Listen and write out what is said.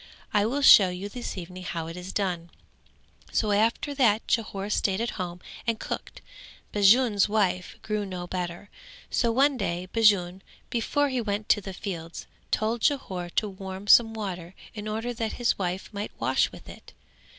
I will show you this evening how it is done." So after that Jhore stayed at home and cooked. Bajun's wife grew no better, so one day Bajun, before he went to the fields, told Jhore to warm some water in order that his wife might wash with it.